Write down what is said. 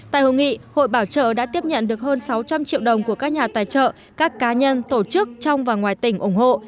tại hội nghị hội bảo trợ đã tiếp nhận được hơn sáu trăm linh triệu đồng của các nhà tài trợ các cá nhân tổ chức trong và ngoài tỉnh ủng hộ